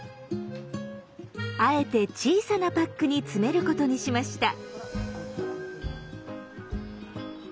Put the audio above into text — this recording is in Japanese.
あえて小さなパックに詰めることにしました。